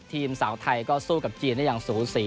สาวไทยก็สู้กับจีนได้อย่างสูสี